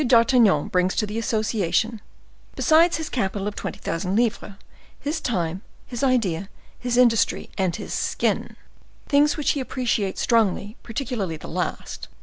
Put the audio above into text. d'Artagnan brings to the association, besides his capital of twenty thousand livres, his time, his idea, his industry, and his skin,—things which he appreciates strongly, particularly the last,—M.